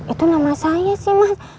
itu nama saya sih mas